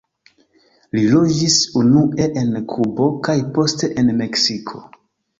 Li loĝis unue en Kubo kaj poste en Meksiko.